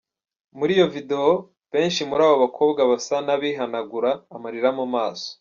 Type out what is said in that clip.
Muri iyo video benshi muri abo bakobwa basa n’abihanagura amarira mu maso.